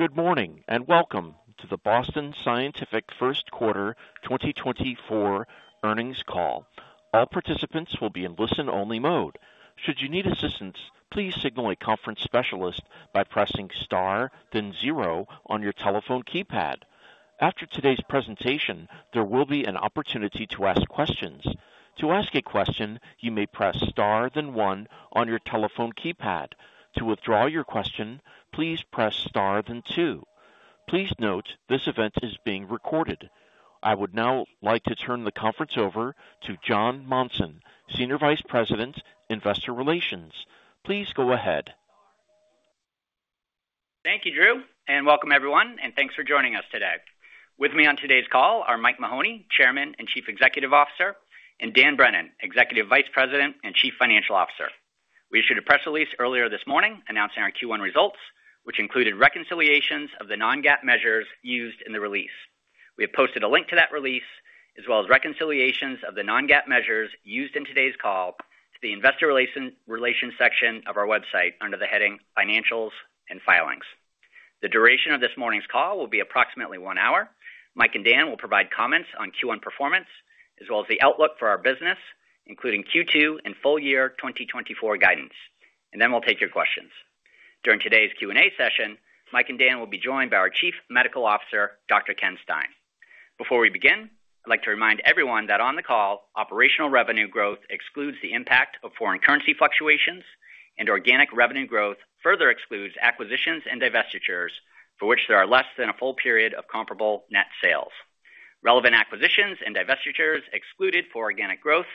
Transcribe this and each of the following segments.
Good morning and welcome to the Boston Scientific Q1 2024 earnings call. All participants will be in listen-only mode. Should you need assistance, please signal a conference specialist by pressing star then zero on your telephone keypad. After today's presentation, there will be an opportunity to ask questions. To ask a question, you may press star then one on your telephone keypad. To withdraw your question, please press star then two. Please note, this event is being recorded. I would now like to turn the conference over to Jon Monson, Senior Vice President, Investor Relations. Please go ahead. Thank you, Drew, and welcome everyone, and thanks for joining us today. With me on today's call are Mike Mahoney, Chairman and Chief Executive Officer, and Dan Brennan, Executive Vice President and Chief Financial Officer. We issued a press release earlier this morning announcing our Q1 results, which included reconciliations of the non-GAAP measures used in the release. We have posted a link to that release, as well as reconciliations of the non-GAAP measures used in today's call to the Investor Relations section of our website under the heading Financials and Filings. The duration of this morning's call will be approximately one hour. Mike and Dan will provide comments on Q1 performance, as well as the outlook for our business, including Q2 and full year 2024 guidance, and then we'll take your questions. During today's Q&A session, Mike and Dan will be joined by our Chief Medical Officer, Dr. Ken Stein. Before we begin, I'd like to remind everyone that on the call, operational revenue growth excludes the impact of foreign currency fluctuations, and organic revenue growth further excludes acquisitions and divestitures for which there are less than a full period of comparable net sales. Relevant acquisitions and divestitures excluded for organic growth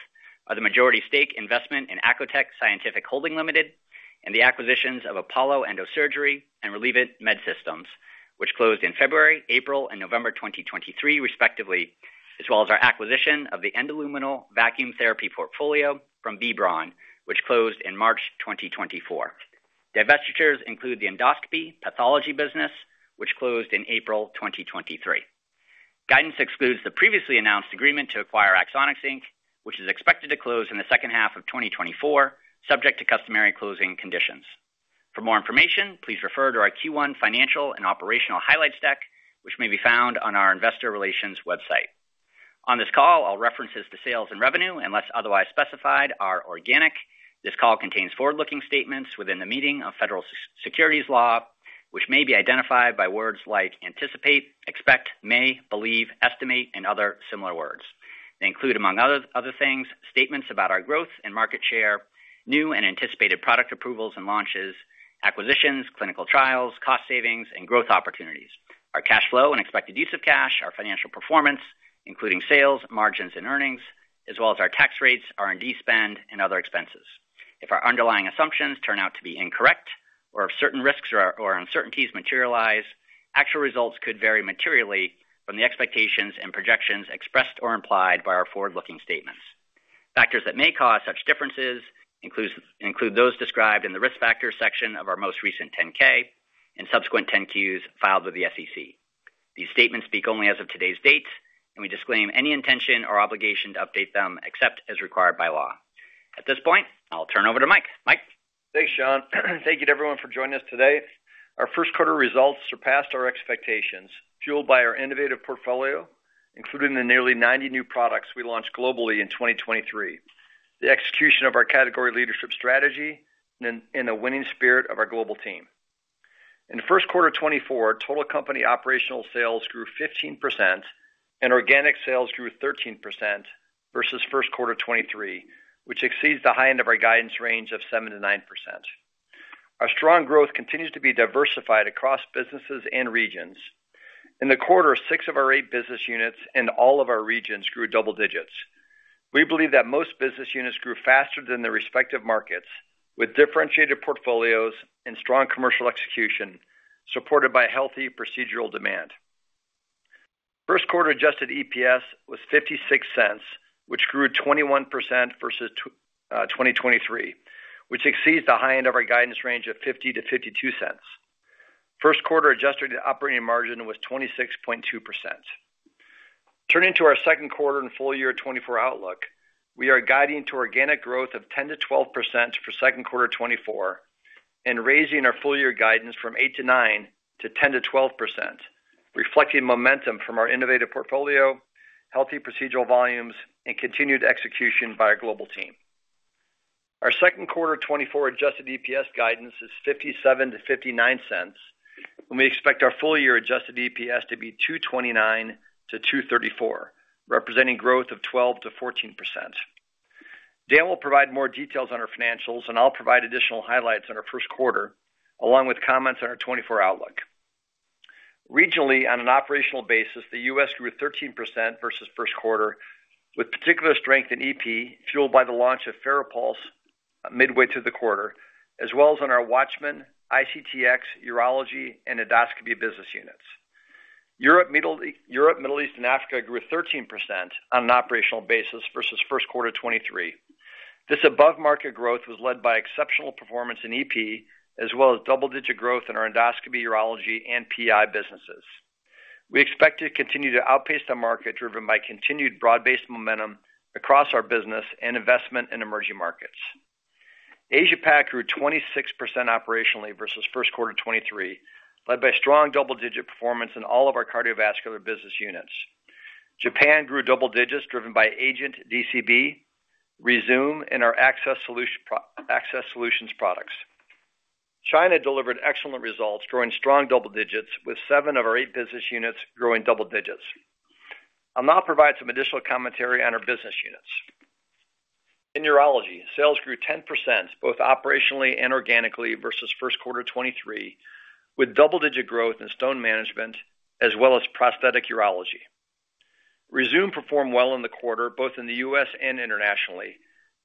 are the majority stake investment in Acotec Scientific Holdings Limited and the acquisitions of Apollo Endosurgery and Relievant Medsystems, which closed in February, April, and November 2023, respectively, as well as our acquisition of the endoluminal vacuum therapy portfolio from B. Braun, which closed in March 2024. Divestitures include the endoscopy pathology business, which closed in April 2023. Guidance excludes the previously announced agreement to acquire Axonics, Inc., which is expected to close in the second half of 2024, subject to customary closing conditions. For more information, please refer to our Q1 financial and operational highlights deck, which may be found on our Investor Relations website. On this call, all references to sales and revenue, unless otherwise specified, are organic. This call contains forward-looking statements within the meaning of federal securities laws, which may be identified by words like anticipate, expect, may, believe, estimate, and other similar words. They include, among other things, statements about our growth and market share, new and anticipated product approvals and launches, acquisitions, clinical trials, cost savings, and growth opportunities, our cash flow and expected use of cash, our financial performance, including sales, margins, and earnings, as well as our tax rates, R&D spend, and other expenses. If our underlying assumptions turn out to be incorrect or if certain risks or uncertainties materialize, actual results could vary materially from the expectations and projections expressed or implied by our forward-looking statements. Factors that may cause such differences include those described in the risk factors section of our most recent 10-K and subsequent 10-Qs filed with the SEC. These statements speak only as of today's date, and we disclaim any intention or obligation to update them except as required by law. At this point, I'll turn over to Mike. Mike? Thanks, Jon. Thank you to everyone for joining us today. Our Q1 results surpassed our expectations, fueled by our innovative portfolio, including the nearly 90 new products we launched globally in 2023, the execution of our category leadership strategy, and the winning spirit of our global team. In Q1 2024, total company operational sales grew 15% and organic sales grew 13% versus Q1 2023, which exceeds the high end of our guidance range of 7% to 9%. Our strong growth continues to be diversified across businesses and regions. In the quarter, six of our eight business units in all of our regions grew double digits. We believe that most business units grew faster than their respective markets, with differentiated portfolios and strong commercial execution supported by healthy procedural demand. Q1 adjusted EPS was $0.56, which grew 21% versus 2023, which exceeds the high end of our guidance range of $0.50 to 0.52. Q1 adjusted operating margin was 26.2%. Turning to our Q2 and full year 2024 outlook, we are guiding to organic growth of 10% to 12% for Q2 2024 and raising our full year guidance from 8% to 9% to 10% to 12%, reflecting momentum from our innovative portfolio, healthy procedural volumes, and continued execution by our global team. Our Q2 2024 adjusted EPS guidance is $0.57 to 0.59, and we expect our full year adjusted EPS to be $2.29 to 2.34, representing growth of 12% to 14%. Dan will provide more details on our financials, and I'll provide additional highlights on our Q1, along with comments on our 2024 outlook. Regionally, on an operational basis, the U.S. grew 13% versus Q1, with particular strength in EP, fueled by the launch of FARAPULSE midway through the quarter, as well as on our WATCHMAN, ICTx, urology, and endoscopy business units. Europe, Middle East, and Africa grew 13% on an operational basis versus Q1 2023. This above-market growth was led by exceptional performance in EP, as well as double-digit growth in our endoscopy, urology, and PI businesses. We expect to continue to outpace the market driven by continued broad-based momentum across our business and investment in emerging markets. Asia-Pac grew 26% operationally versus Q1 2023, led by strong double-digit performance in all of our cardiovascular business units. Japan grew double digits driven by AGENT DCB, Rezūm, and our Access Solutions products. China delivered excellent results, growing strong double digits, with seven of our eight business units growing double digits. I'll now provide some additional commentary on our business units. In urology, sales grew 10% both operationally and organically versus Q1 2023, with double-digit growth in stone management as well as prosthetic urology. Rezūm performed well in the quarter, both in the U.S. and internationally,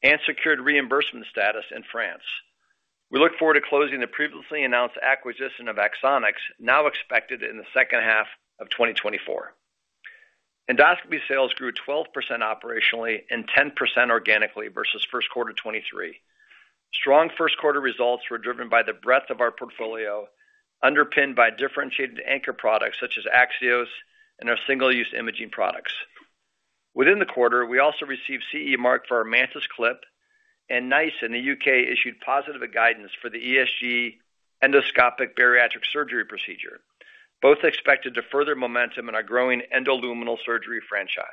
and secured reimbursement status in France. We look forward to closing the previously announced acquisition of Axonics, now expected in the second half of 2024. Endoscopy sales grew 12% operationally and 10% organically versus Q1 2023. Strong Q1 results were driven by the breadth of our portfolio, underpinned by differentiated anchor products such as Axios and our single-use imaging products. Within the quarter, we also received CE mark for our Mantis clip, and NICE in the U.K. issued positive guidance for the ESG endoscopic bariatric surgery procedure, both expected to further momentum in our growing endoluminal surgery franchise.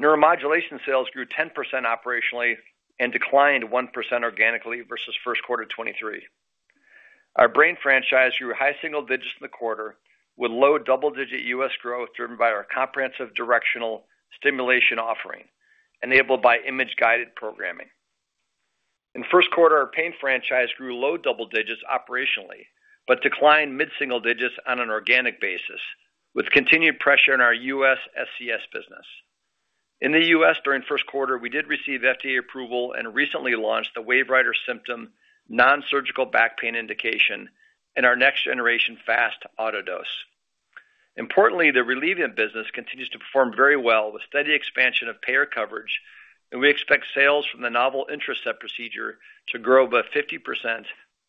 Neuromodulation sales grew 10% operationally and declined 1% organically versus Q1 2023. Our brain franchise grew high single digits in the quarter, with low double-digit U.S. growth driven by our comprehensive directional stimulation offering, enabled by image-guided programming. In Q1, our pain franchise grew low double digits operationally but declined mid-single digits on an organic basis, with continued pressure in our U.S. SCS business. In the U.S., during Q1, we did receive FDA approval and recently launched the WaveWriter system non-surgical back pain indication and our next-generation FAST Autodose. Importantly, the Relievant business continues to perform very well with steady expansion of payer coverage, and we expect sales from the novel Intracept procedure to grow about 50%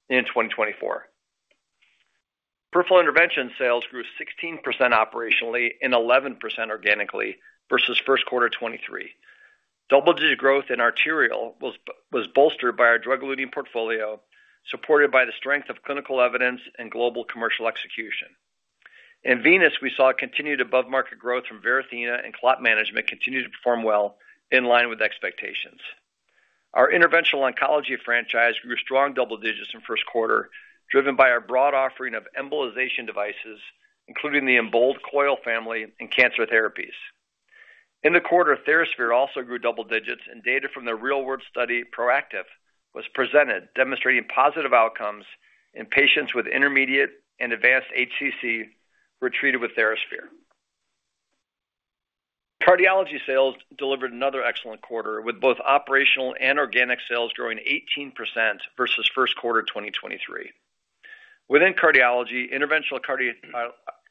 in 2024. Peripheral intervention sales grew 16% operationally and 11% organically versus Q1 2023. Double-digit growth in arterial was bolstered by our drug-eluting portfolio, supported by the strength of clinical evidence and global commercial execution. In venous, we saw continued above-market growth from Varithena and clot management continue to perform well, in line with expectations. Our interventional oncology franchise grew strong double digits in Q1, driven by our broad offering of embolization devices, including the Embold coil family and cancer therapies. In the quarter, TheraSphere also grew double digits, and data from the real-world study PROACTIVE was presented, demonstrating positive outcomes in patients with intermediate and advanced HCC who were treated with TheraSphere. Cardiology sales delivered another excellent quarter, with both operational and organic sales growing 18% versus Q1 2023. Within cardiology, interventional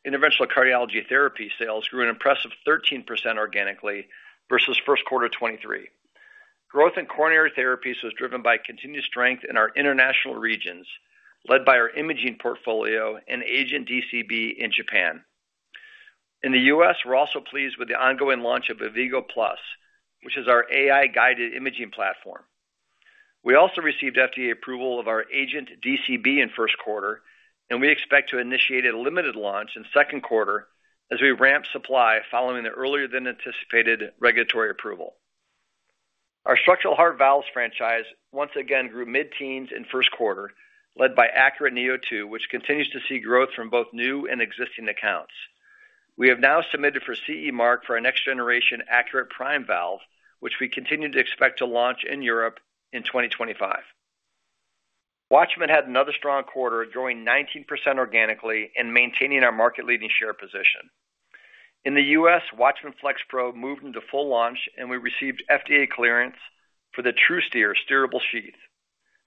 cardiology therapy sales grew an impressive 13% organically versus Q1 2023. Growth in coronary therapies was driven by continued strength in our international regions, led by our imaging portfolio and Agent DCB in Japan. In the U.S., we're also pleased with the ongoing launch of AVVIGO+, which is our AI-guided imaging platform. We also received FDA approval of our Agent DCB in Q1, and we expect to initiate a limited launch in Q2 as we ramp supply following the earlier-than-anticipated regulatory approval. Our structural heart valves franchise once again grew mid-teens in Q1, led by ACURATE neo2, which continues to see growth from both new and existing accounts. We have now submitted for CE mark for our next-generation ACURATE Prime valve, which we continue to expect to launch in Europe in 2025. WATCHMAN had another strong quarter, growing 19% organically and maintaining our market-leading share position. In the U.S., WATCHMAN FLEXPro moved into full launch, and we received FDA clearance for the TruSteer steerable sheath,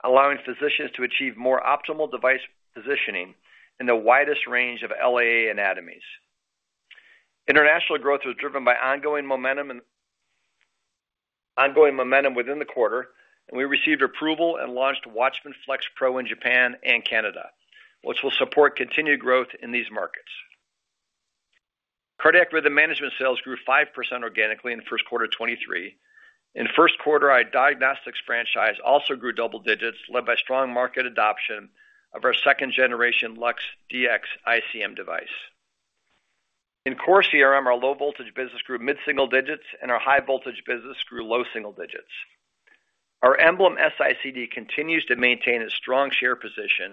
allowing physicians to achieve more optimal device positioning in the widest range of LAA anatomies. International growth was driven by ongoing momentum within the quarter, and we received approval and launched WATCHMAN FLEXPro in Japan and Canada, which will support continued growth in these markets. Cardiac rhythm management sales grew 5% organically in Q1 2023. In Q1, our diagnostics franchise also grew double digits, led by strong market adoption of our second-generation LUX-Dx ICM device. In CoreCRM, our low-voltage business grew mid-single digits, and our high-voltage business grew low-single digits. Our EMBLEM S-ICD continues to maintain its strong share position,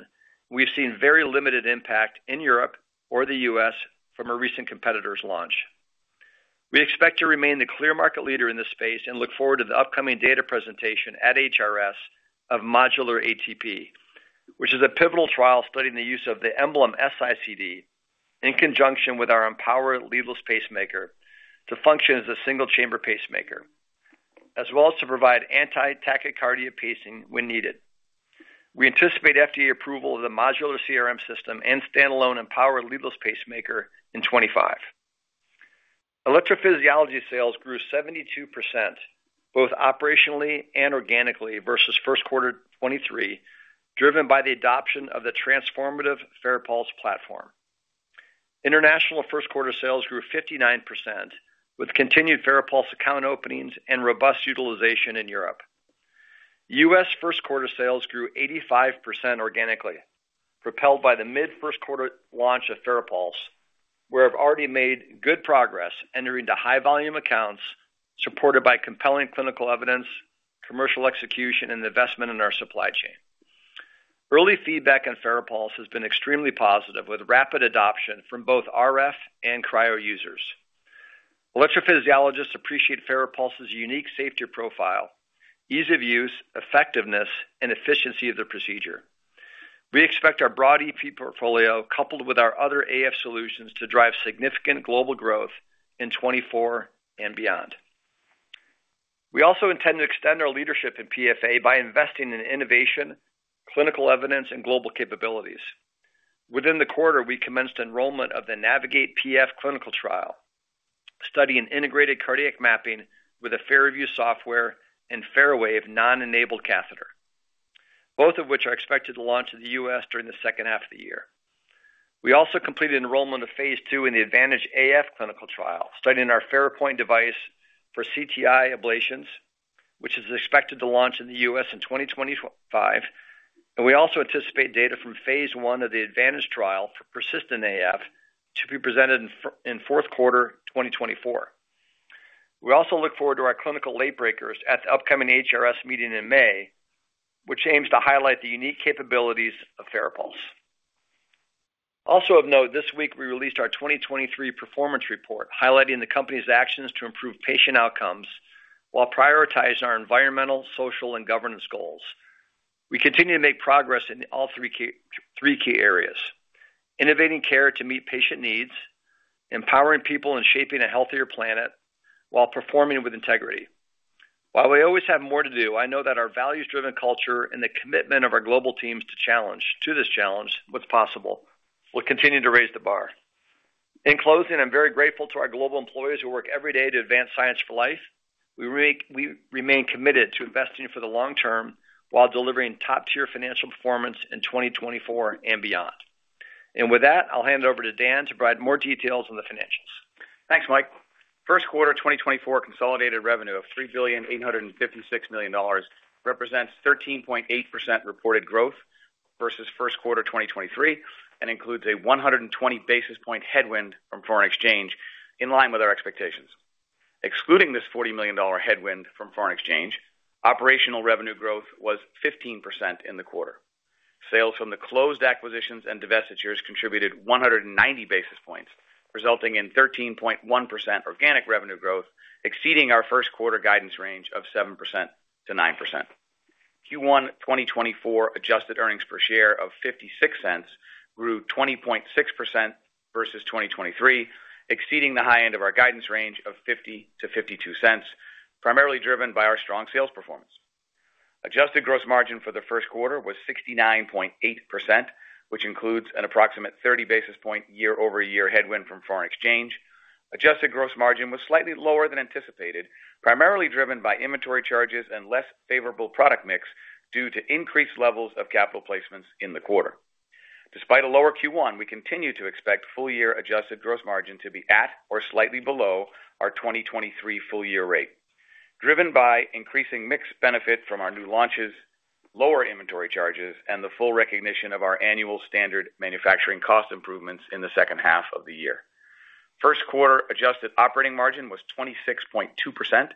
and we've seen very limited impact in Europe or the U.S. from our recent competitor's launch. We expect to remain the clear market leader in this space and look forward to the upcoming data presentation at HRS of modular ATP, which is a pivotal trial studying the use of the EMBLEM S-ICD in conjunction with our EMPOWER Leadless Pacemaker to function as a single-chamber pacemaker, as well as to provide anti-tachycardia pacing when needed. We anticipate FDA approval of the modular CRM system and standalone EMPOWER Leadless Pacemaker in 2025. Electrophysiology sales grew 72% both operationally and organically versus Q1 2023, driven by the adoption of the transformative FARAPULSE platform. International first-quarter sales grew 59% with continued FARAPULSE account openings and robust utilization in Europe. U.S. first-quarter sales grew 85% organically, propelled by the mid-Q1 launch of FARAPULSE, where we've already made good progress entering into high-volume accounts supported by compelling clinical evidence, commercial execution, and investment in our supply chain. Early feedback on FARAPULSE has been extremely positive, with rapid adoption from both RF and cryo users. Electrophysiologists appreciate FARAPULSE's unique safety profile, ease of use, effectiveness, and efficiency of the procedure. We expect our broad EP portfolio, coupled with our other AF solutions, to drive significant global growth in 2024 and beyond. We also intend to extend our leadership in PFA by investing in innovation, clinical evidence, and global capabilities. Within the quarter, we commenced enrollment of the NAVIGATE-PF clinical trial, studying integrated cardiac mapping with a FARAVIEW software and FARAWAVE NAV-enabled catheter, both of which are expected to launch in the U.S. during the second half of the year. We also completed enrollment of phase II in the Advantage AF clinical trial, studying our FARAPOINT device for CTI ablations, which is expected to launch in the U.S. in 2025, and we also anticipate data from phase I of the Advantage trial for persistent AF to be presented in Q4 2024. We also look forward to our clinical late-breakers at the upcoming HRS meeting in May, which aims to highlight the unique capabilities of FARAPULSE. Also of note, this week we released our 2023 performance report, highlighting the company's actions to improve patient outcomes while prioritizing our environmental, social, and governance goals. We continue to make progress in all three key areas: innovating care to meet patient needs, empowering people, and shaping a healthier planet while performing with integrity. While we always have more to do, I know that our values-driven culture and the commitment of our global teams to this challenge, what's possible, will continue to raise the bar. In closing, I'm very grateful to our global employees who work every day to advance science for life. We remain committed to investing for the long term while delivering top-tier financial performance in 2024 and beyond. With that, I'll hand it over to Dan to provide more details on the financials. Thanks, Mike. Q1 2024 consolidated revenue of $3,856 million represents 13.8% reported growth versus Q1 2023 and includes a 120 basis points headwind from foreign exchange, in line with our expectations. Excluding this $40 million headwind from foreign exchange, operational revenue growth was 15% in the quarter. Sales from the closed acquisitions and divestitures contributed 190 basis points, resulting in 13.1% organic revenue growth, exceeding our Q1 guidance range of 7% to 9%. Q1 2024 adjusted earnings per share of $0.56 grew 20.6% versus 2023, exceeding the high end of our guidance range of $0.50 to 0.52, primarily driven by our strong sales performance. Adjusted gross margin for the Q1 was 69.8%, which includes an approximate 30 basis point year-over-year headwind from foreign exchange. Adjusted gross margin was slightly lower than anticipated, primarily driven by inventory charges and less favorable product mix due to increased levels of capital placements in the quarter. Despite a lower Q1, we continue to expect full-year adjusted gross margin to be at or slightly below our 2023 full-year rate, driven by increasing mixed benefit from our new launches, lower inventory charges, and the full recognition of our annual standard manufacturing cost improvements in the second half of the year. Q1 adjusted operating margin was 26.2%.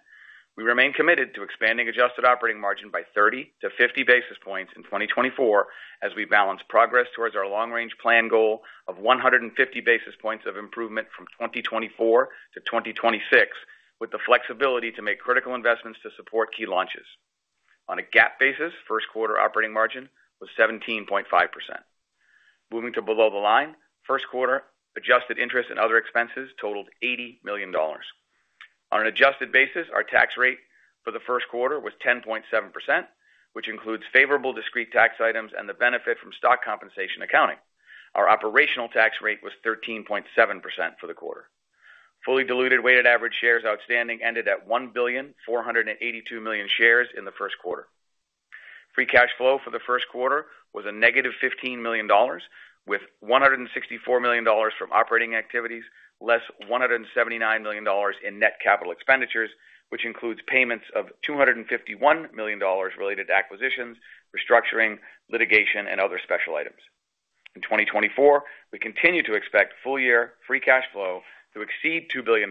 We remain committed to expanding adjusted operating margin by 30 to 50 basis points in 2024 as we balance progress towards our long-range plan goal of 150 basis points of improvement from 2024 to 2026, with the flexibility to make critical investments to support key launches. On a GAAP basis, Q1 operating margin was 17.5%. Moving to below the line, Q1 adjusted interest and other expenses totaled $80 million. On an adjusted basis, our tax rate for the Q1 was 10.7%, which includes favorable discrete tax items and the benefit from stock compensation accounting. Our operational tax rate was 13.7% for the quarter. Fully diluted weighted average shares outstanding ended at 1,482,000,000 shares in the Q1. Free cash flow for the Q1 was a negative $15 million, with $164 million from operating activities, less $179 million in net capital expenditures, which includes payments of $251 million related to acquisitions, restructuring, litigation, and other special items. In 2024, we continue to expect full-year free cash flow to exceed $2 billion,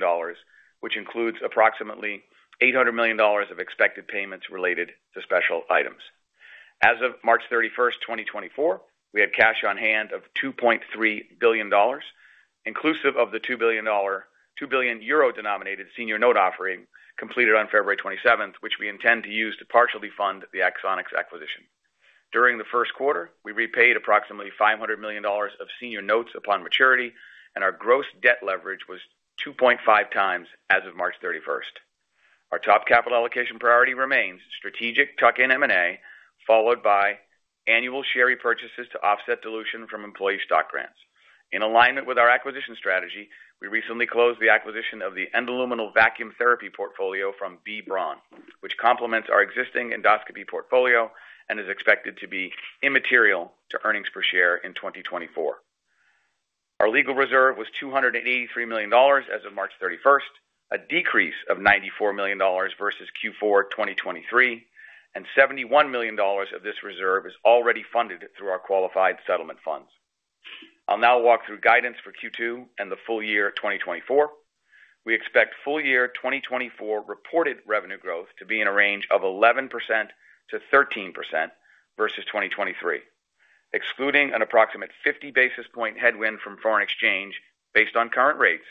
which includes approximately $800 million of expected payments related to special items. As of March 31st, 2024, we had cash on hand of $2.3 billion, inclusive of the $2 billion euro-denominated senior note offering completed on February 27th, which we intend to use to partially fund the Axonics acquisition. During the Q1, we repaid approximately $500 million of senior notes upon maturity, and our gross debt leverage was 2.5 times as of March 31st. Our top capital allocation priority remains strategic tuck-in M&A, followed by annual share repurchases to offset dilution from employee stock grants. In alignment with our acquisition strategy, we recently closed the acquisition of the endoluminal vacuum therapy portfolio from B. Braun, which complements our existing endoscopy portfolio and is expected to be immaterial to earnings per share in 2024. Our legal reserve was $283 million as of March 31st, a decrease of $94 million versus Q4 2023, and $71 million of this reserve is already funded through our qualified settlement funds. I'll now walk through guidance for Q2 and the full year 2024. We expect full year 2024 reported revenue growth to be in a range of 11% to 13% versus 2023. Excluding an approximate 50 basis point headwind from foreign exchange based on current rates,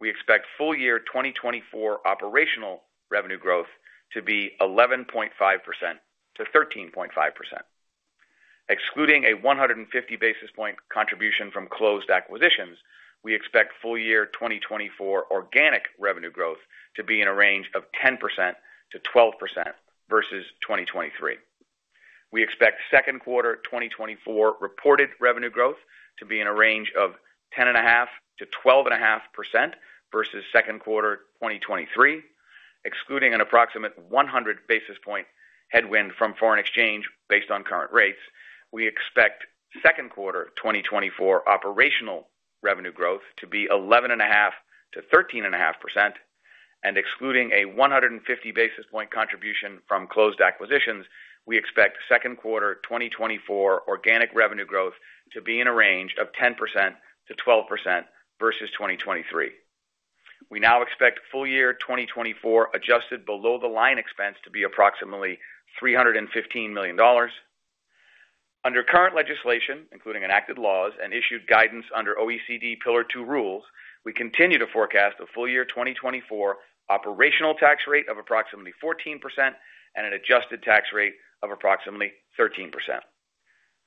we expect full year 2024 operational revenue growth to be 11.5% to 13.5%. Excluding a 150 basis point contribution from closed acquisitions, we expect full year 2024 organic revenue growth to be in a range of 10% to 12% versus 2023. We expect Q2 2024 reported revenue growth to be in a range of 10.5% to 12.5% versus Q2 2023. Excluding an approximate 100 basis point headwind from foreign exchange based on current rates, we expect Q2 2024 operational revenue growth to be 11.5% to 13.5%. Excluding a 150 basis point contribution from closed acquisitions, we expect Q2 2024 organic revenue growth to be in a range of 10% to 12% versus 2023. We now expect full year 2024 adjusted below-the-line expense to be approximately $315 million. Under current legislation, including enacted laws and issued guidance under OECD Pillar two rules, we continue to forecast a full year 2024 operational tax rate of approximately 14% and an adjusted tax rate of approximately 13%.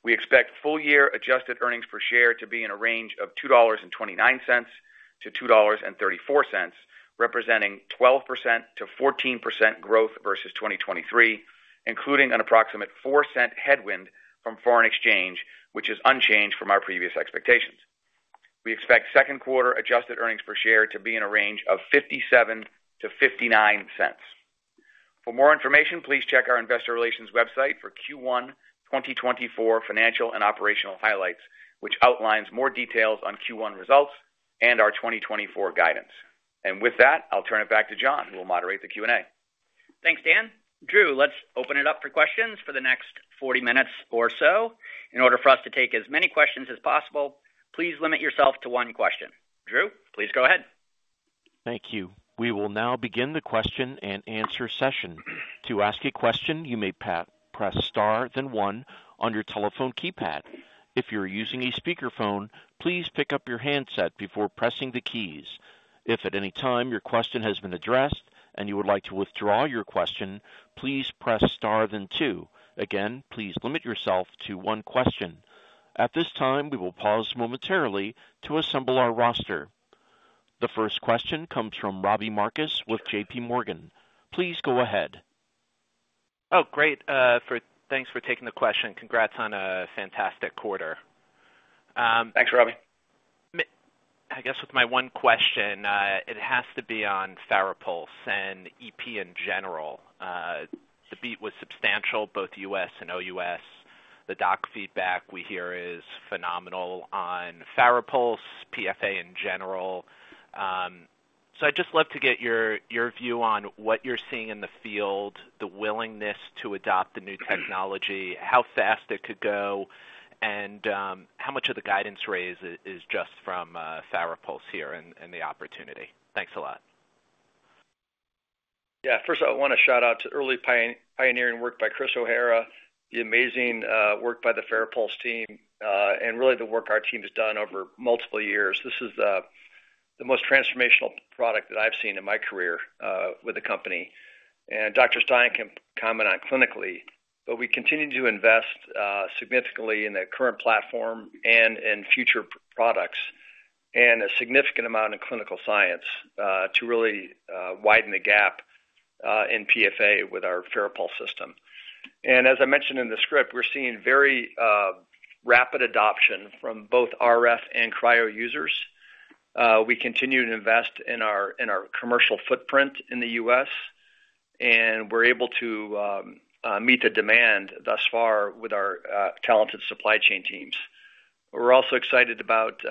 We expect full year adjusted earnings per share to be in a range of $2.29 to 2.34, representing 12% to 14% growth versus 2023, including an approximate $0.04 headwind from foreign exchange, which is unchanged from our previous expectations. We expect Q2 adjusted earnings per share to be in a range of $0.57 to 0.59. For more information, please check our investor relations website for Q1 2024 financial and operational highlights, which outlines more details on Q1 results and our 2024 guidance. With that, I'll turn it back to Jon, who will moderate the Q&A. Thanks, Dan. Drew, let's open it up for questions for the next 40 minutes or so. In order for us to take as many questions as possible, please limit yourself to one question. Drew, please go ahead. Thank you. We will now begin the Q&A session. To ask a question, you may press star then one on your telephone keypad. If you're using a speakerphone, please pick up your handset before pressing the keys. If at any time your question has been addressed and you would like to withdraw your question, please press star then two. Again, please limit yourself to one question. At this time, we will pause momentarily to assemble our roster. The first question comes from Robbie Marcus with JP Morgan. Please go ahead. Oh, great. Thanks for taking the question. Congrats on a fantastic quarter. Thanks, Robbie. I guess with my one question, it has to be on FARAPULSE and EP in general. The beat was substantial, both U.S. and OUS. The doc feedback we hear is phenomenal on FARAPULSE, PFA in general. So I'd just love to get your view on what you're seeing in the field, the willingness to adopt the new technology, how fast it could go, and how much of the guidance raise is just from FARAPULSE here and the opportunity. Thanks a lot. Yeah. First, I want to shout out to early pioneering work by Chris O'Hara, the amazing work by the FARAPULSE team, and really the work our team has done over multiple years. This is the most transformational product that I've seen in my career with the company. And Dr. Stein can comment on clinically, but we continue to invest significantly in the current platform and in future products and a significant amount in clinical science to really widen the gap in PFA with our FARAPULSE system. And as I mentioned in the script, we're seeing very rapid adoption from both RF and cryo users. We continue to invest in our commercial footprint in the U.S., and we're able to meet the demand thus far with our talented supply chain teams. We're also excited about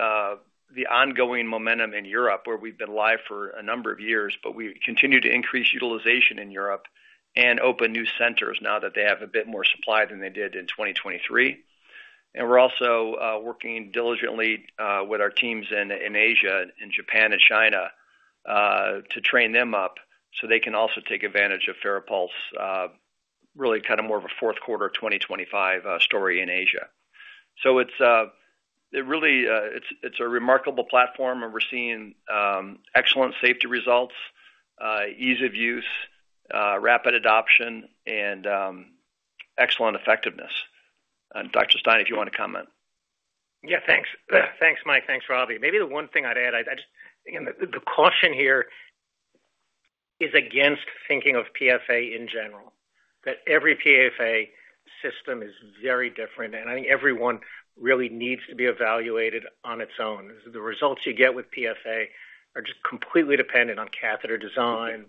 the ongoing momentum in Europe, where we've been live for a number of years, but we continue to increase utilization in Europe and open new centers now that they have a bit more supply than they did in 2023. And we're also working diligently with our teams in Asia, in Japan, and China to train them up so they can also take advantage of FARAPULSE's, really kind of more of a Q4 2025 story in Asia. So it's a remarkable platform, and we're seeing excellent safety results, ease of use, rapid adoption, and excellent effectiveness. Dr. Stein, if you want to comment. Yeah, thanks. Thanks, Mike. Thanks, Robbie. Maybe the one thing I'd add, again, the caution here is against thinking of PFA in general, that every PFA system is very different, and I think every one really needs to be evaluated on its own. The results you get with PFA are just completely dependent on catheter design,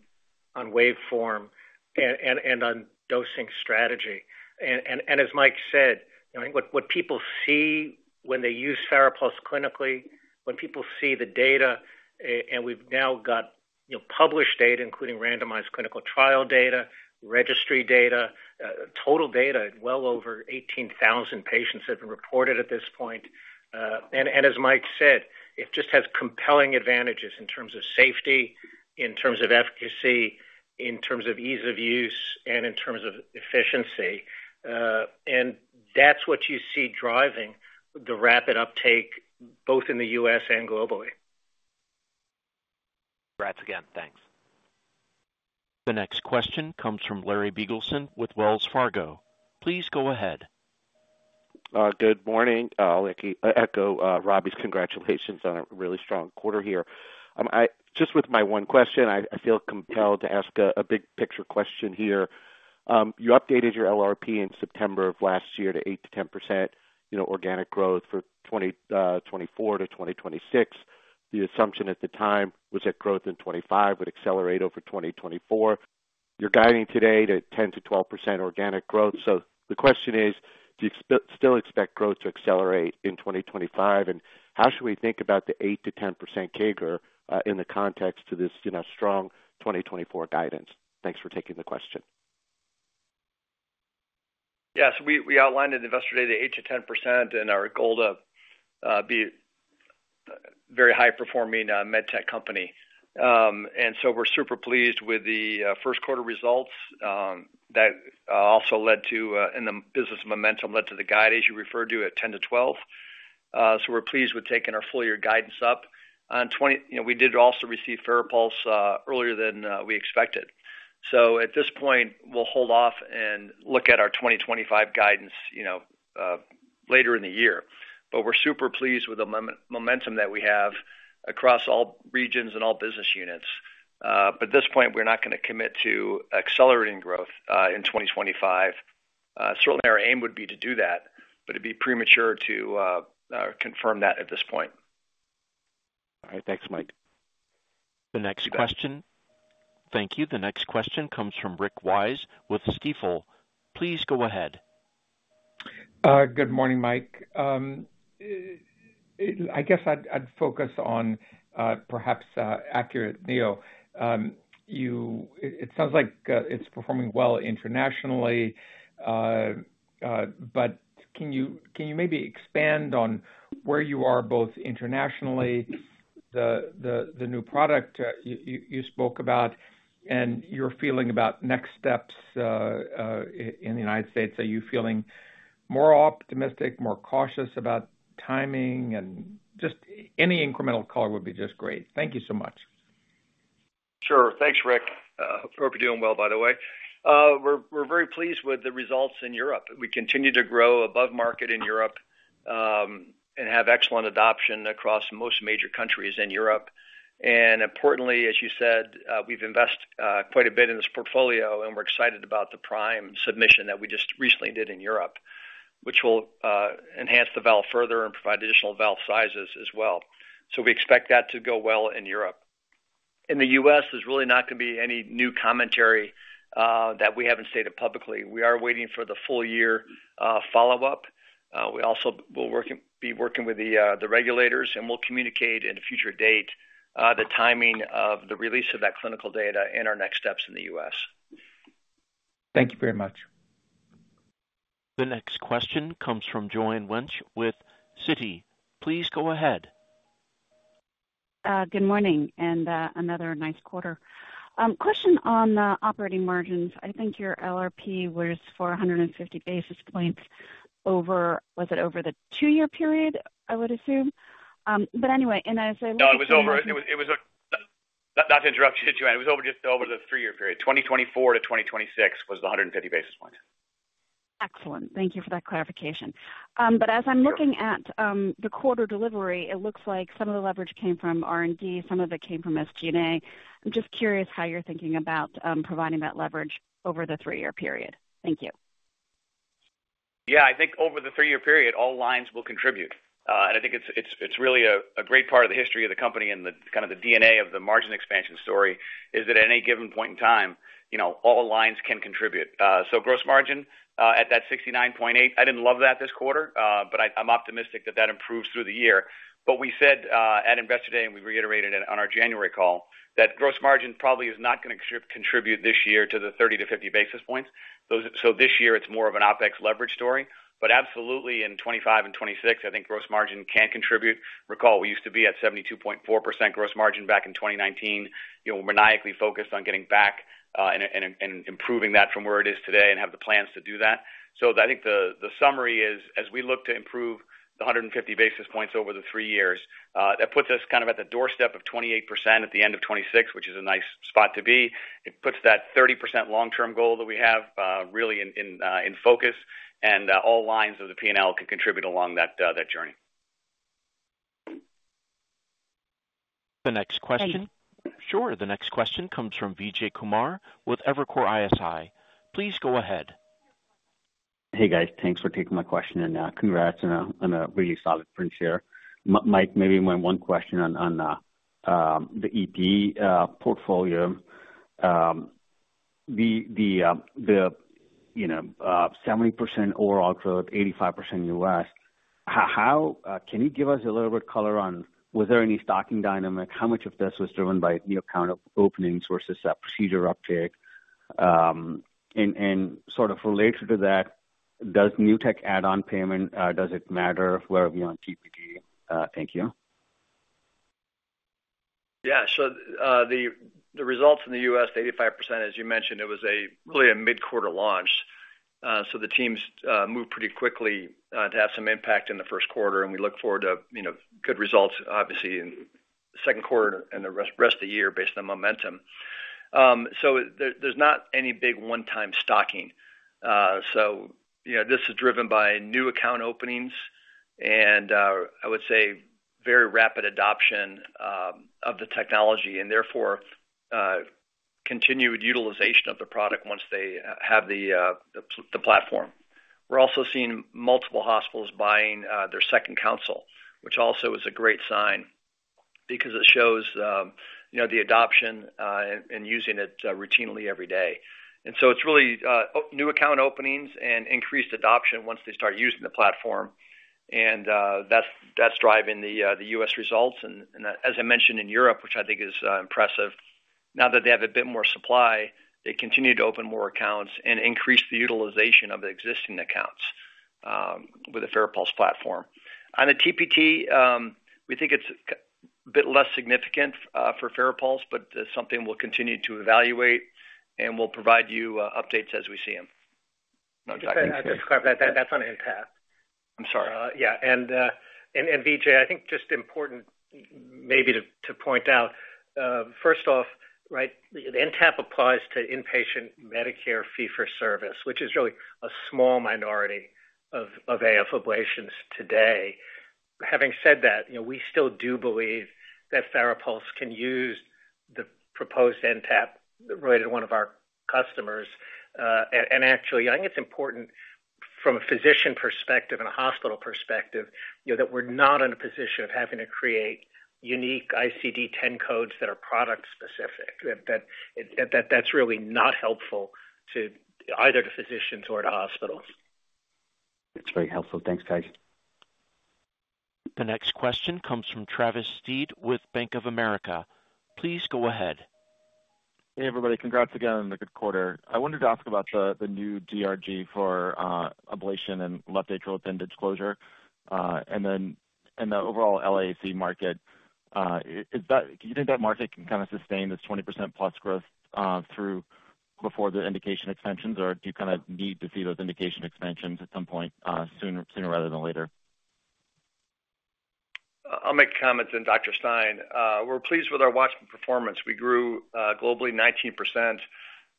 on waveform, and on dosing strategy. And as Mike said, I think what people see when they use FARAPULSE clinically, when people see the data and we've now got published data, including randomized clinical trial data, registry data, total data, well over 18,000 patients have been reported at this point. And as Mike said, it just has compelling advantages in terms of safety, in terms of efficacy, in terms of ease of use, and in terms of efficiency. That's what you see driving the rapid uptake both in the U.S. and globally. Congrats again. Thanks. The next question comes from Larry Biegelsen with Wells Fargo. Please go ahead. Good morning. I'll echo Robbie's congratulations on a really strong quarter here. Just with my one question, I feel compelled to ask a big picture question here. You updated your LRP in September of last year to 8% to 10% organic growth for 2024 to 2026. The assumption at the time was that growth in 2025 would accelerate over 2024. You're guiding today to 10% to 12% organic growth. So the question is, do you still expect growth to accelerate in 2025? And how should we think about the 8% to 10% CAGR in the context of this strong 2024 guidance? Thanks for taking the question. Yeah. So we outlined it in Investor Day, the 8% to 10%, and our goal to be a very high-performing medtech company. So we're super pleased with the Q1 results. That also led to, in the business momentum, led to the guide, as you referred to, at 10% to 12%. So we're pleased with taking our full-year guidance up. We did also receive FARAPULSE earlier than we expected. So at this point, we'll hold off and look at our 2025 guidance later in the year. But we're super pleased with the momentum that we have across all regions and all business units. But at this point, we're not going to commit to accelerating growth in 2025. Certainly, our aim would be to do that, but it'd be premature to confirm that at this point. All right. Thanks, Mike. The next question. Thank you. The next question comes from Rick Wise with Stifel. Please go ahead. Good morning, Mike. I guess I'd focus on perhaps ACURATE neo2. It sounds like it's performing well internationally, but can you maybe expand on where you are both internationally, the new product you spoke about, and your feeling about next steps in the United States? Are you feeling more optimistic, more cautious about timing? And just any incremental color would be just great. Thank you so much. Sure. Thanks, Rick. Hope you're doing well, by the way. We're very pleased with the results in Europe. We continue to grow above market in Europe and have excellent adoption across most major countries in Europe. And importantly, as you said, we've invested quite a bit in this portfolio, and we're excited about the prime submission that we just recently did in Europe, which will enhance the valve further and provide additional valve sizes as well. So we expect that to go well in Europe. In the U.S., there's really not going to be any new commentary that we haven't stated publicly. We are waiting for the full-year follow-up. We'll be working with the regulators, and we'll communicate at a future date the timing of the release of that clinical data and our next steps in the U.S. Thank you very much. The next question comes from Joanne Wuensch with Citi. Please go ahead. Good morning and another nice quarter. Question on the operating margins. I think your LRP was 450 basis points over was it over the two-year period, I would assume? But anyway, and as I looked at the— No, it was over. Not to interrupt you, Joanne. It was over just over the 3-year period. 2024 to 2026 was the 150 basis points. Excellent. Thank you for that clarification. But as I'm looking at the quarter delivery, it looks like some of the leverage came from R&D, some of it came from SG&A. I'm just curious how you're thinking about providing that leverage over the 3-year period. Thank you. Yeah. I think over the 3-year period, all lines will contribute. And I think it's really a great part of the history of the company and kind of the DNA of the margin expansion story is that at any given point in time, all lines can contribute. So gross margin at that 69.8, I didn't love that this quarter, but I'm optimistic that that improves through the year. We said at Investor Day, and we reiterated it on our January call, that gross margin probably is not going to contribute this year to the 30 to 50 basis points. This year, it's more of an OPEX leverage story. But absolutely, in 2025 and 2026, I think gross margin can contribute. Recall, we used to be at 72.4% gross margin back in 2019. We're maniacally focused on getting back and improving that from where it is today and have the plans to do that. So I think the summary is, as we look to improve the 150 basis points over the 3 years, that puts us kind of at the doorstep of 28% at the end of 2026, which is a nice spot to be. It puts that 30% long-term goal that we have really in focus, and all lines of the P&L can contribute along that journey. The next question, sure. The next question comes from Vijay Kumar with Evercore ISI. Please go ahead. Hey, guys. Thanks for taking my question in now. Congrats on a really solid print share. Mike, maybe one question on the EP portfolio. The 70% overall growth, 85% U.S., can you give us a little bit color on was there any stocking dynamic? How much of this was driven by new account openings versus that procedure uptake? And sort of related to that, does new tech add-on payment, does it matter where we are on GPD? Thank you. Yeah. So the results in the U.S., 85%, as you mentioned, it was really a mid-quarter launch. So the teams moved pretty quickly to have some impact in the Q1, and we look forward to good results, obviously, in the Q2 and the rest of the year based on momentum. So there's not any big one-time stocking. So this is driven by new account openings and, I would say, very rapid adoption of the technology and, therefore, continued utilization of the product once they have the platform. We're also seeing multiple hospitals buying their second console, which also is a great sign because it shows the adoption and using it routinely every day. And so it's really new account openings and increased adoption once they start using the platform. And that's driving the U.S. results. And as I mentioned, in Europe, which I think is impressive, now that they have a bit more supply, they continue to open more accounts and increase the utilization of the existing accounts with the FARAPULSE platform. On the TPT, we think it's a bit less significant for FARAPULSE, but it's something we'll continue to evaluate and we'll provide you updates as we see them. I'll just clarify that. That's on NTAP. I'm sorry. Yeah. And Vijay, I think just important maybe to point out, first off, the NTAP applies to inpatient Medicare fee-for-service, which is really a small minority of AF ablations today. Having said that, we still do believe that FARAPULSE can use the proposed NTAP related to one of our customers. Actually, I think it's important from a physician perspective and a hospital perspective that we're not in a position of having to create unique ICD-10 codes that are product-specific. That's really not helpful either to physicians or to hospitals. That's very helpful. Thanks, guys. The next question comes from Travis Steed with Bank of America. Please go ahead. Hey, everybody. Congrats again on the good quarter. I wanted to ask about the new DRG for ablation and left atrial appendage closure and the overall LAAC market. Do you think that market can kind of sustain this 20%+ growth before the indication extensions, or do you kind of need to see those indication extensions at some point sooner rather than later? I'll make comments on Dr. Stein. We're pleased with our WATCHMAN performance. We grew globally 19%,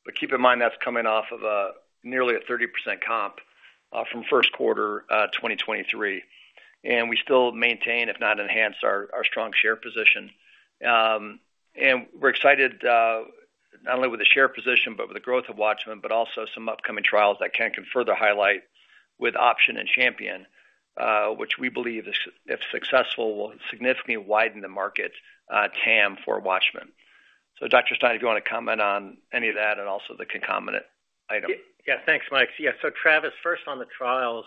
but keep in mind that's coming off of nearly a 30% comp from Q1 2023. We still maintain, if not enhance, our strong share position. We're excited not only with the share position but with the growth of WATCHMAN, but also some upcoming trials that Ken can further highlight with Option and Champion, which we believe, if successful, will significantly widen the market TAM for WATCHMAN. So Dr. Stein, if you want to comment on any of that and also the concomitant item. Yeah. Thanks, Mike. Yeah. So Travis, first on the trials.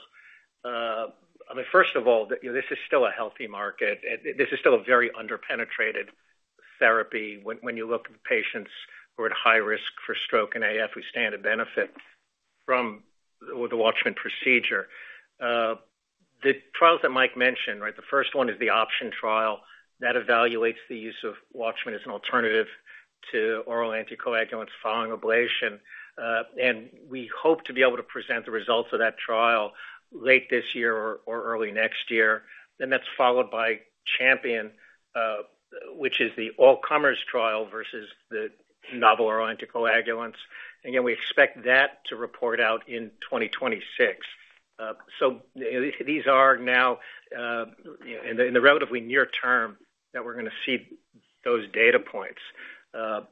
I mean, first of all, this is still a healthy market. This is still a very underpenetrated therapy. When you look at the patients who are at high risk for stroke and AF, who stand to benefit from the Watchman procedure, the trials that Mike mentioned, the first one is the Option trial. That evaluates the use of Watchman as an alternative to oral anticoagulants following ablation. And we hope to be able to present the results of that trial late this year or early next year. Then that's followed by Champion, which is the all-comers trial versus the novel oral anticoagulants. And again, we expect that to report out in 2026. So these are now in the relatively near term that we're going to see those data points.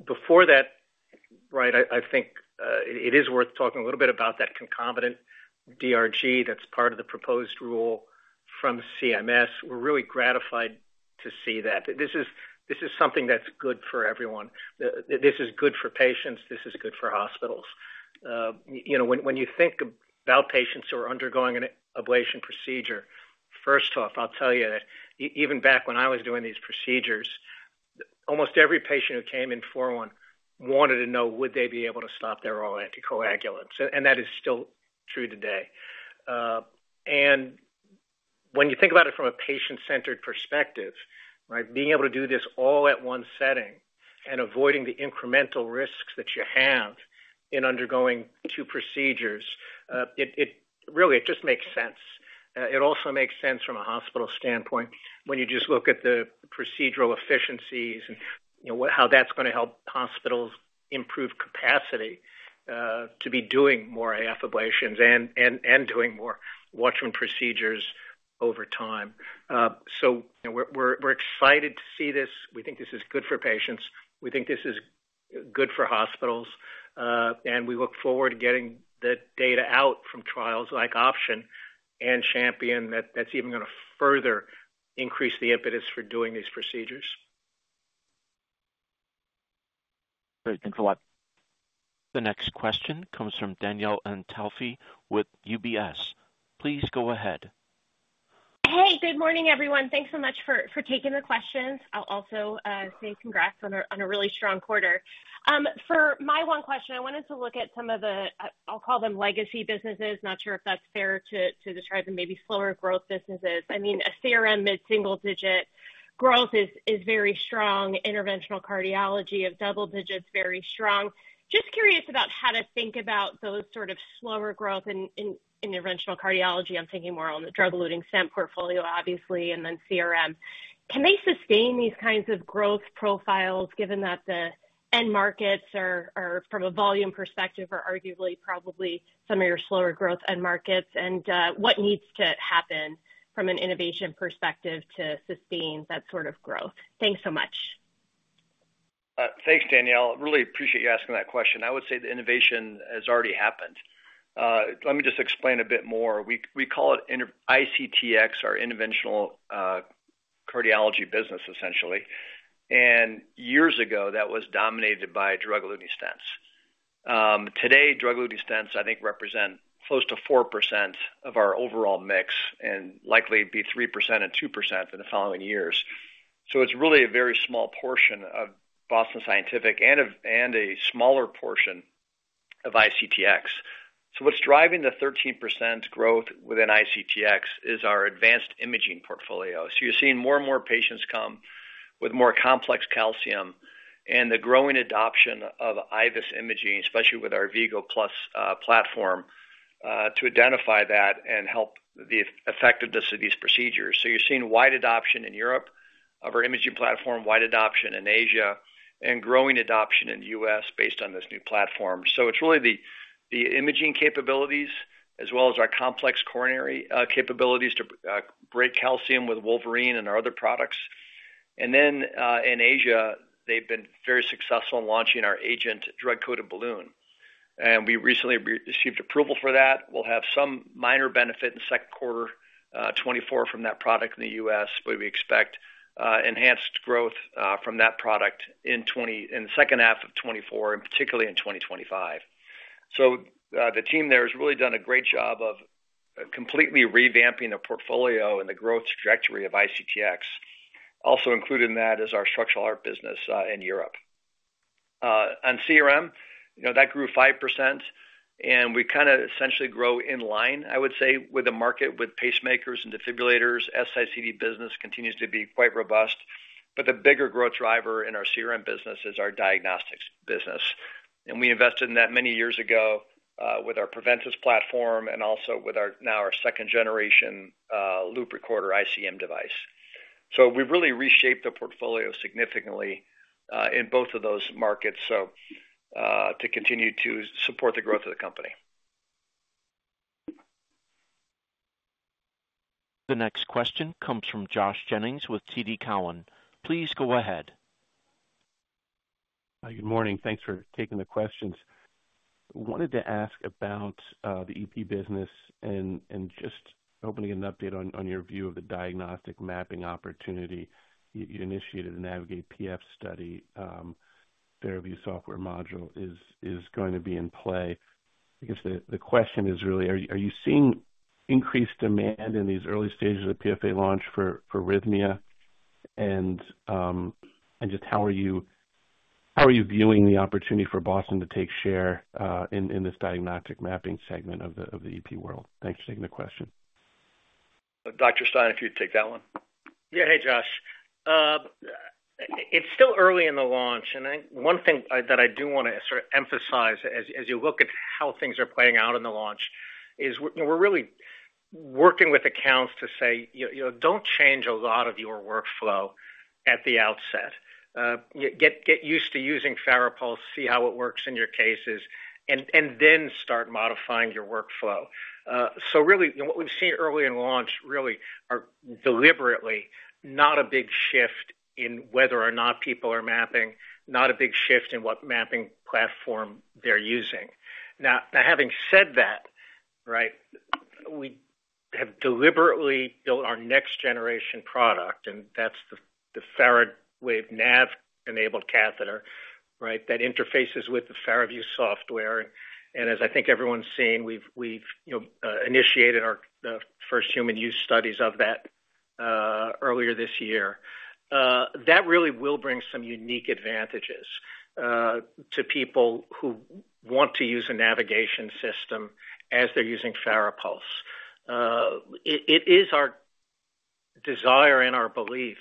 Before that, I think it is worth talking a little bit about that concomitant DRG that's part of the proposed rule from CMS. We're really gratified to see that. This is something that's good for everyone. This is good for patients. This is good for hospitals. When you think about patients who are undergoing an ablation procedure, first off, I'll tell you that even back when I was doing these procedures, almost every patient who came in for one wanted to know, would they be able to stop their oral anticoagulants? That is still true today. When you think about it from a patient-centered perspective, being able to do this all at one setting and avoiding the incremental risks that you have in undergoing two procedures, really, it just makes sense. It also makes sense from a hospital standpoint when you just look at the procedural efficiencies and how that's going to help hospitals improve capacity to be doing more AF ablations and doing more WATCHMAN procedures over time. We're excited to see this. We think this is good for patients. We think this is good for hospitals. We look forward to getting the data out from trials like Option and Champion that's even going to further increase the impetus for doing these procedures. Great. Thanks a lot. The next question comes from Danielle Antalffy with UBS. Please go ahead. Hey. Good morning, everyone. Thanks so much for taking the questions. I'll also say congrats on a really strong quarter. For my one question, I wanted to look at some of the I'll call them legacy businesses. Not sure if that's fair to describe them, maybe slower growth businesses. I mean, a CRM mid-single-digit growth is very strong. Interventional cardiology of double digits, very strong. Just curious about how to think about those sort of slower growth in interventional cardiology. I'm thinking more on the drug-eluting stent portfolio, obviously, and then CRM. Can they sustain these kinds of growth profiles given that the end markets, from a volume perspective, are arguably probably some of your slower growth end markets? And what needs to happen from an innovation perspective to sustain that sort of growth? Thanks so much. Thanks, Danielle. Really appreciate you asking that question. I would say the innovation has already happened. Let me just explain a bit more. We call it ICTX, our interventional cardiology business, essentially. And years ago, that was dominated by drug-eluting stents. Today, drug-eluting stents, I think, represent close to 4% of our overall mix and likely be 3% and 2% in the following years. So it's really a very small portion of Boston Scientific and a smaller portion of ICTX. So what's driving the 13% growth within ICTX is our advanced imaging portfolio. So you're seeing more and more patients come with more complex calcium and the growing adoption of IVUS imaging, especially with our AVVIGO+ platform, to identify that and help the effectiveness of these procedures. So you're seeing wide adoption in Europe of our imaging platform, wide adoption in Asia, and growing adoption in the U.S. based on this new platform. So it's really the imaging capabilities as well as our complex coronary capabilities to break calcium with Wolverine and our other products. And then in Asia, they've been very successful in launching our Agent drug-coated balloon. And we recently received approval for that. We'll have some minor benefit in Q2 2024 from that product in the U.S., but we expect enhanced growth from that product in the second half of 2024 and particularly in 2025. So the team there has really done a great job of completely revamping the portfolio and the growth trajectory of ICTX. Also included in that is our structural heart business in Europe. On CRM, that grew 5%. And we kind of essentially grow in line, I would say, with the market with pacemakers and defibrillators. SICD business continues to be quite robust. But the bigger growth driver in our CRM business is our diagnostics business. And we invested in that many years ago with our Preventice platform and also with now our second-generation loop recorder ICM device. So we've really reshaped the portfolio significantly in both of those markets to continue to support the growth of the company. The next question comes from Josh Jennings with TD Cowen. Please go ahead. Good morning. Thanks for taking the questions. Wanted to ask about the EP business and just hoping to get an update on your view of the diagnostic mapping opportunity. You initiated a NAVIGATE-PF study. FARAVIEW software module is going to be in play. I guess the question is really, are you seeing increased demand in these early stages of the PFA launch for Rhythmia? And just how are you viewing the opportunity for Boston to take share in this diagnostic mapping segment of the EP world? Thanks for taking the question. Dr. Stein, if you'd take that one. Yeah. Hey, Josh. It's still early in the launch. And one thing that I do want to sort of emphasize as you look at how things are playing out in the launch is we're really working with accounts to say, "Don't change a lot of your workflow at the outset. Get used to using FARAPULSE. See how it works in your cases. And then start modifying your workflow." So really, what we've seen early in launch really are deliberately not a big shift in whether or not people are mapping, not a big shift in what mapping platform they're using. Now, having said that, we have deliberately built our next-generation product, and that's the FARAWAVE NAV-enabled catheter that interfaces with the FARAVIEW software. And as I think everyone's seen, we've initiated the first human-use studies of that earlier this year. That really will bring some unique advantages to people who want to use a navigation system as they're using FARAPULSE. It is our desire and our belief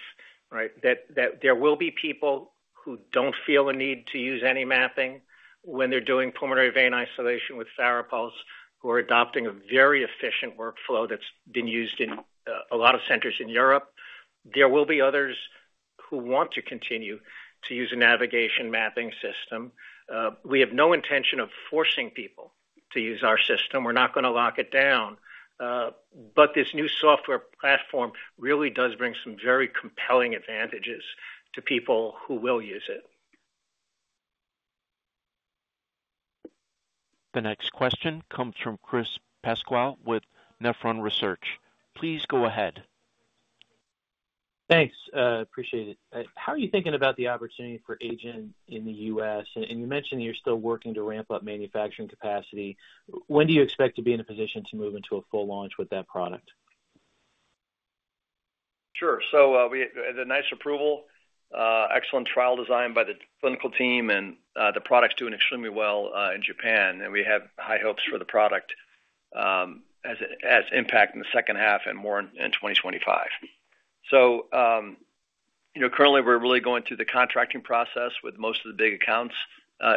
that there will be people who don't feel a need to use any mapping when they're doing pulmonary vein isolation with FARAPULSE who are adopting a very efficient workflow that's been used in a lot of centers in Europe. There will be others who want to continue to use a navigation mapping system. We have no intention of forcing people to use our system. We're not going to lock it down. But this new software platform really does bring some very compelling advantages to people who will use it. The next question comes from Chris Pasquale with Nephron Research. Please go ahead. Thanks. Appreciate it. How are you thinking about the opportunity for Agent in the U.S.? And you mentioned you're still working to ramp up manufacturing capacity. When do you expect to be in a position to move into a full launch with that product? Sure. So the NICE approval, excellent trial design by the clinical team, and the product's doing extremely well in Japan. We have high hopes for the product as impact in the second half and more in 2025. So currently, we're really going through the contracting process with most of the big accounts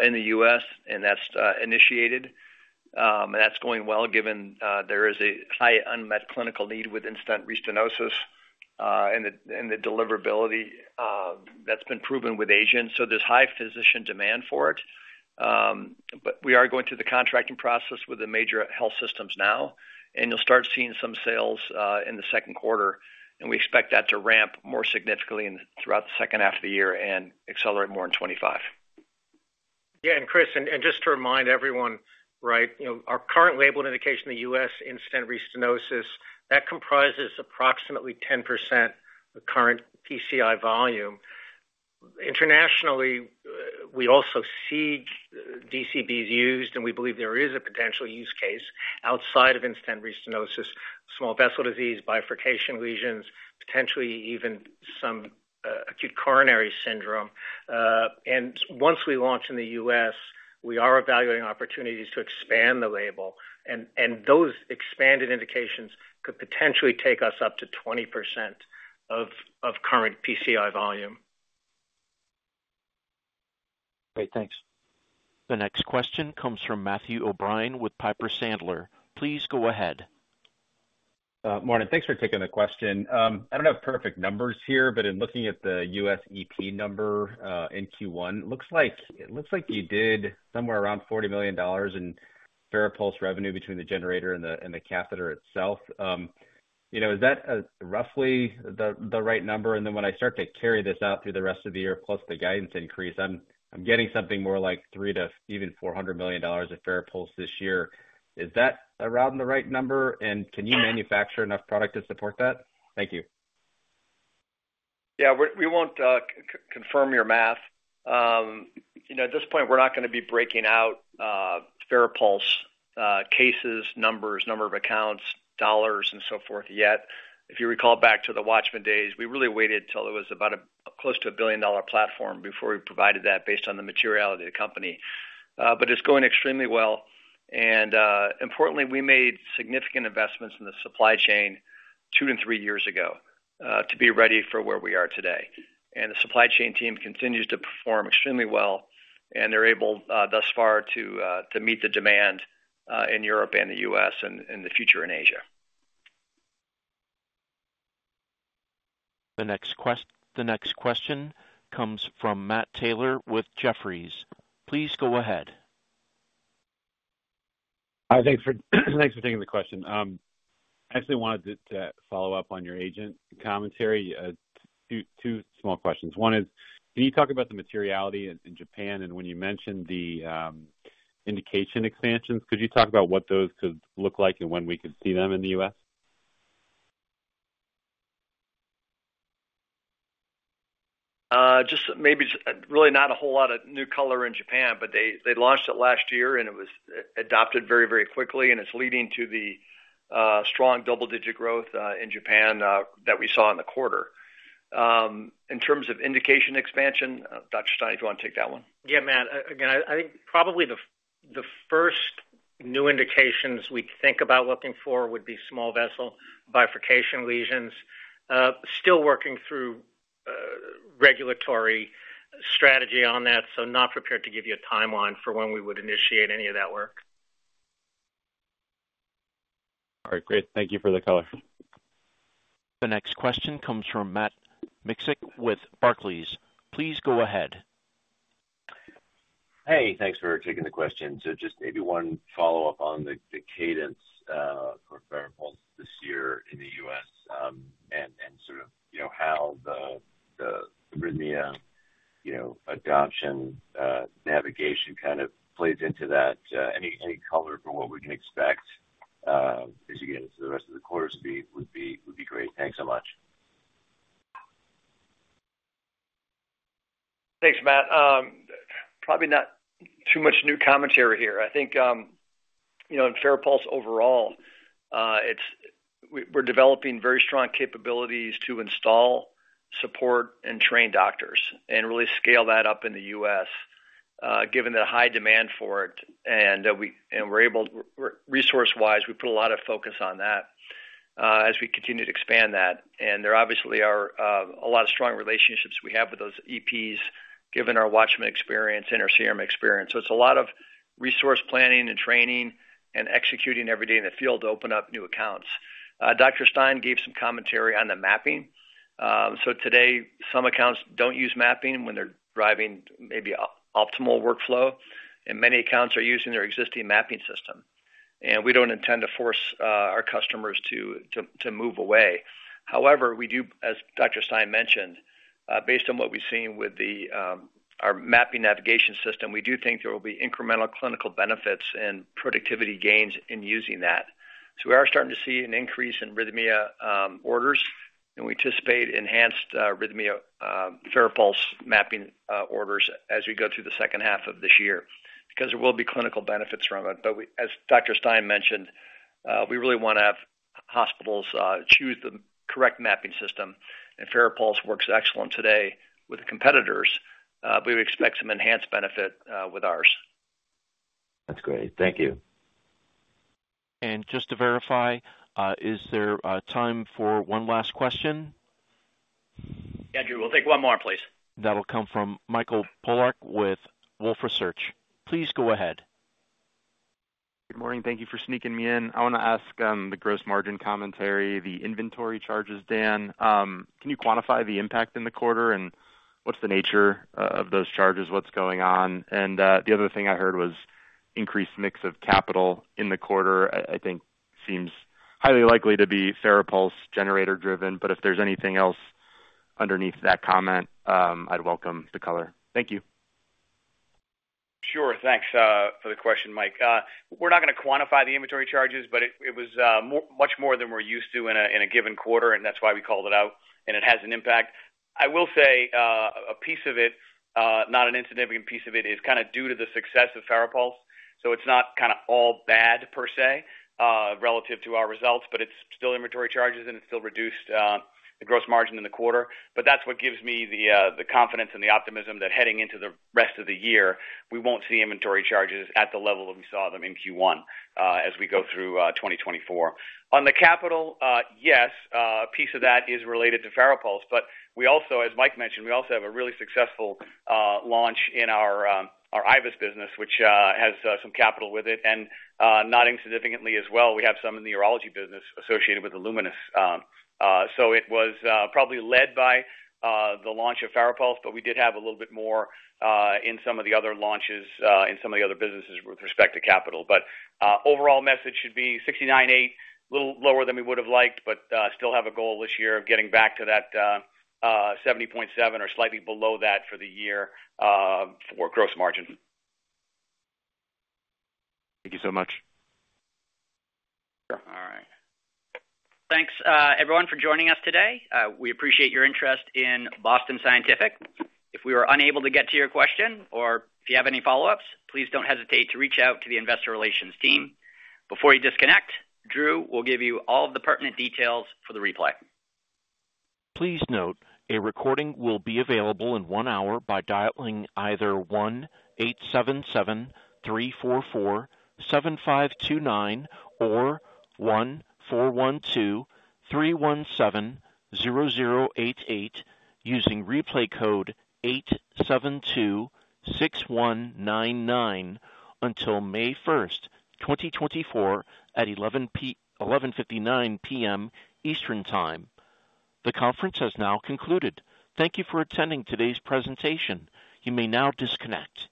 in the U.S., and that's initiated. That's going well given there is a high unmet clinical need with in-stent restenosis and the deliverability that's been proven with agent. So there's high physician demand for it. But we are going through the contracting process with the major health systems now. You'll start seeing some sales in the Q2. We expect that to ramp more significantly throughout the second half of the year and accelerate more in 2025. Yeah. And Chris, and just to remind everyone, our current labeled indication in the U.S., in-stent restenosis, that comprises approximately 10% of current PCI volume. Internationally, we also see DCBs used, and we believe there is a potential use case outside of in-stent restenosis, small vessel disease, bifurcation lesions, potentially even some acute coronary syndrome. And once we launch in the U.S., we are evaluating opportunities to expand the label. And those expanded indications could potentially take us up to 20% of current PCI volume. Great. Thanks. The next question comes from Matthew O'Brien with Piper Sandler. Please go ahead. Morning. Thanks for taking the question. I don't have perfect numbers here, but in looking at the U.S. EP number in Q1, it looks like you did somewhere around $40 million in FARAPULSE revenue between the generator and the catheter itself. Is that roughly the right number? And then when I start to carry this out through the rest of the year plus the guidance increase, I'm getting something more like $300 million to 400 million of FARAPULSE this year. Is that around the right number? And can you manufacture enough product to support that? Thank you. Yeah. We won't confirm your math. At this point, we're not going to be breaking out FARAPULSE cases, numbers, number of accounts, dollars, and so forth yet. If you recall back to the WATCHMAN days, we really waited till it was close to a billion-dollar platform before we provided that based on the materiality of the company. But it's going extremely well. And importantly, we made significant investments in the supply chain 2 to 3 years ago to be ready for where we are today. And the supply chain team continues to perform extremely well. And they're able thus far to meet the demand in Europe and the U.S. and in the future in Asia. The next question comes from Matt Taylor with Jefferies. Please go ahead. Thanks for taking the question. I actually wanted to follow up on your Agent commentary. Two small questions. One is, can you talk about the materiality in Japan? And when you mentioned the indication expansions, could you talk about what those could look like and when we could see them in the U.S.? Maybe really not a whole lot of new color in Japan, but they launched it last year, and it was adopted very, very quickly. It's leading to the strong double-digit growth in Japan that we saw in the quarter. In terms of indication expansion, Dr. Stein, if you want to take that one. Yeah, man. Again, I think probably the first new indications we'd think about looking for would be small vessel bifurcation lesions. Still working through regulatory strategy on that, so not prepared to give you a timeline for when we would initiate any of that work. All right. Great. Thank you for the color. The next question comes from Matt Miksic with Barclays. Please go ahead. Hey. Thanks for taking the question. So just maybe one follow-up on the cadence for FARAPULSE this year in the U.S. and sort of how the arrhythmia adoption navigation kind of plays into that. Any color for what we can expect as you get into the rest of the quarter speed would be great. Thanks so much. Thanks, Matt. Probably not too much new commentary here. I think in FARAPULSE overall, we're developing very strong capabilities to install, support, and train doctors and really scale that up in the U.S. given the high demand for it. Resource-wise, we put a lot of focus on that as we continue to expand that. There obviously are a lot of strong relationships we have with those EPs given our WATCHMAN experience and our CRM experience. So it's a lot of resource planning and training and executing every day in the field to open up new accounts. Dr. Stein gave some commentary on the mapping. Today, some accounts don't use mapping when they're driving maybe optimal workflow. Many accounts are using their existing mapping system. We don't intend to force our customers to move away. However, as Dr. Stein mentioned, based on what we've seen with our mapping navigation system, we do think there will be incremental clinical benefits and productivity gains in using that. So we are starting to see an increase in arrhythmia orders. And we anticipate enhanced arrhythmia FARAPULSE mapping orders as we go through the second half of this year because there will be clinical benefits from it. But as Dr. Stein mentioned, we really want to have hospitals choose the correct mapping system. And FARAPULSE works excellent today with the competitors, but we expect some enhanced benefit with ours. That's great. Thank you. And just to verify, is there time for one last question? Yeah, Drew. We'll take one more, please. That'll come from Michael Polark with Wolfe Research. Please go ahead. Good morning. Thank you for sneaking me in. I want to ask the gross margin commentary, the inventory charges, Dan. Can you quantify the impact in the quarter? And what's the nature of those charges? What's going on? And the other thing I heard was increased mix of capital in the quarter, I think seems highly likely to be FARAPULSE generator-driven. But if there's anything else underneath that comment, I'd welcome the color. Thank you. Sure. Thanks for the question, Mike. We're not going to quantify the inventory charges, but it was much more than we're used to in a given quarter. And that's why we called it out. And it has an impact. I will say a piece of it, not an insignificant piece of it, is kind of due to the success of FARAPULSE. So it's not kind of all bad per se relative to our results. But it's still inventory charges, and it's still reduced the gross margin in the quarter. But that's what gives me the confidence and the optimism that heading into the rest of the year, we won't see inventory charges at the level that we saw them in Q1 as we go through 2024. On the capital, yes, a piece of that is related to FARAPULSE. But as Mike mentioned, we also have a really successful launch in our IVUS business, which has some capital with it. And not insignificantly as well, we have some in the urology business associated with Illuminus. So it was probably led by the launch of FARAPULSE, but we did have a little bit more in some of the other launches in some of the other businesses with respect to capital. But overall margins should be 69.8, a little lower than we would have liked, but still have a goal this year of getting back to that 70.7 or slightly below that for the year for gross margin. Thank you so much. Sure. All right. Thanks, everyone, for joining us today. We appreciate your interest in Boston Scientific. If we were unable to get to your question or if you have any follow-ups, please don't hesitate to reach out to the investor relations team. Before you disconnect, Drew will give you all of the pertinent details for the replay. Please note, a recording will be available in 1 hour by dialing either 1-877-344-7529 or 1-412-317-0088 using replay code 8726199 until May 1st, 2024, at 11:59 P.M. Eastern Time. The conference has now concluded. Thank you for attending today's presentation. You may now disconnect.